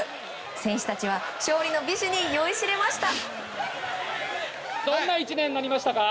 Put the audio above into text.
選手たちは勝利の美酒に酔いしれました。